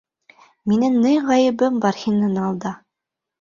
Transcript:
Минең ни ғәйебем бар һинең алда?